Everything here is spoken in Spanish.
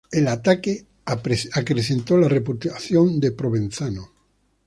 El ataque acrecentó la reputación de Provenzano.